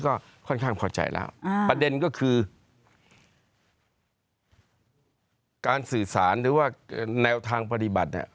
ก็ค่อนข้างพอใจแล้วประเด็นก็คือการสื่อสารหรือว่าแนวทางปฏิบัติเนี่ย